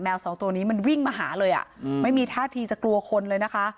สองตัวนี้มันวิ่งมาหาเลยอ่ะไม่มีท่าทีจะกลัวคนเลยนะคะ